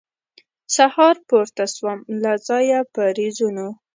سهار پورته سوم له ځایه په رېزونو